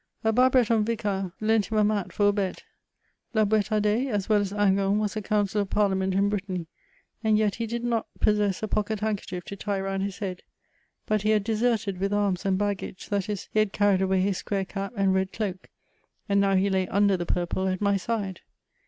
A Bas breton vicar leot him a mat for a bed. La BouCtardais, as well as Hingant, was a eooneillor of parlia ment in Brittany^ and yet he did not possess a pocket hand kercfaief to tie round his head ; but he had deserted with arms and baggage^ that is, he had carried away his square cap and red cloak; and now he lay under the purple at my side.